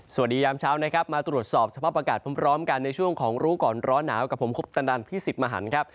ยามเช้านะครับมาตรวจสอบสภาพอากาศพร้อมกันในช่วงของรู้ก่อนร้อนหนาวกับผมคุปตนันพี่สิทธิ์มหันครับ